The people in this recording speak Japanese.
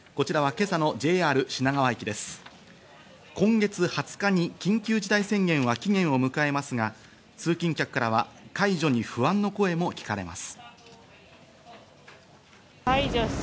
今月２０日に緊急事態宣言は期限を迎えますが、通勤客からは解除に不安の声も聞かれます。